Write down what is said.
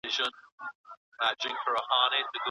ښه چلند د بریالۍ ښووني بنسټ جوړوي.